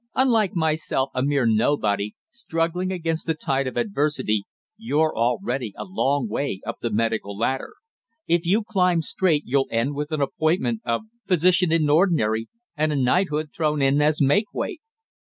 Unlike myself, a mere nobody, struggling against the tide of adversity, you're already a long way up the medical ladder. If you climb straight you'll end with an appointment of Physician in Ordinary and a knighthood thrown in as makeweight.